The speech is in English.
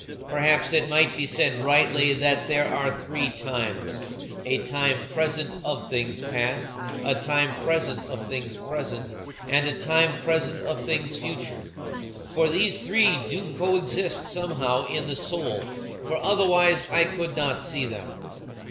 Perhaps it might be said rightly that there are three times: a time present of things past; a time present of things present; and a time present of things future. For these three do coexist somehow in the soul, for otherwise I could not see them.